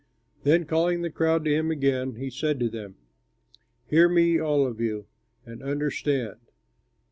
Then calling the crowd to him again, he said to them, "Hear me, all of you, and understand.